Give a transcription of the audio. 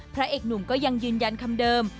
พระเอกหนุ่มก็ยังยืนยันคำเดิม